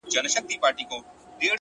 • در واري سم ګل اناره چي رانه سې ,